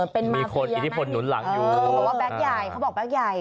เป็นมาสิริยะไหม